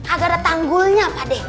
agar tanggulnya pak de